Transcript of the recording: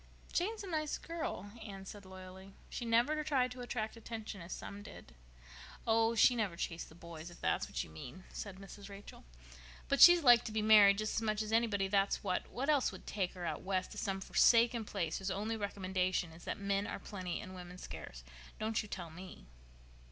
"Jane is a nice girl," Anne had said loyally. "She never tried to attract attention, as some did." "Oh, she never chased the boys, if that's what you mean," said Mrs. Rachel. "But she'd like to be married, just as much as anybody, that's what. What else would take her out West to some forsaken place whose only recommendation is that men are plenty and women scarce? Don't you tell me!"